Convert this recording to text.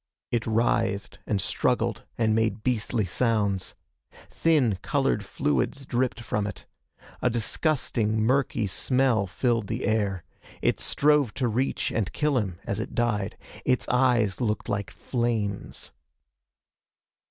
It writhed and struggled and made beastly sounds. Thin, colored fluids dripped from it. A disgusting musky smell filled the air. It strove to reach and kill him as it died. Its eyes looked like flames.